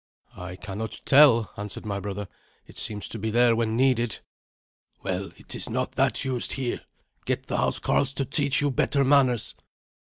"I cannot tell," answered my brother. "It seems to be there when needed." "Well, it is not that used here. Get the housecarls to teach you better manners."